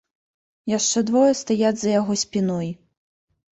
Яшчэ двое стаяць за яго спіной.